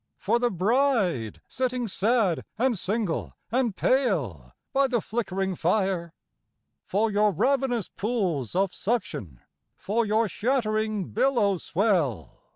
For the bride sitting sad, and single, and pale, by the flickering fire? For your ravenous pools of suction? for your shattering billow swell?